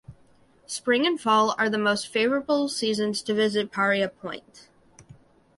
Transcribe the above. Spring and fall are the most favorable seasons to visit Paria Point.